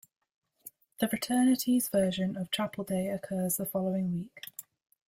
The fraternities' version of Chapel Day occurs the following week.